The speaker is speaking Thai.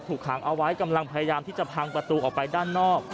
ถูกขังเอาไว้กำลังพยายามที่จะพังประตูออกไปด้านนอก